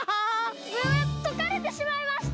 むむっとかれてしまいました。